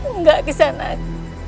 enggak kisah anak